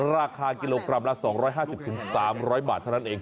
ราคากิโลกรัมละ๒๕๐๓๐๐บาทเท่านั้นเอง